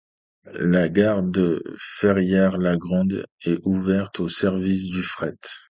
La gare de Ferrière-la-Grande est ouverte au service du fret.